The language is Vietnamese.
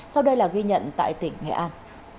sau đây là ghi nhận tại tỉnh nghệ an